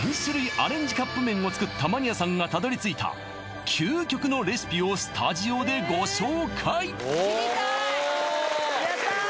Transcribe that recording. アレンジカップ麺を作ったマニアさんがたどり着いた究極のレシピをスタジオでご紹介・やったー